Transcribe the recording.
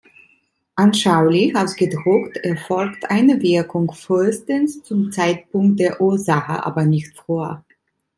Anschaulich ausgedrückt erfolgt eine Wirkung frühestens zum Zeitpunkt der Ursache, aber nicht früher.